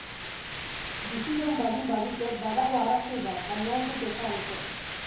Biziraun baldin badute, badago arrazoi bat, baina ez dut ezagutzen.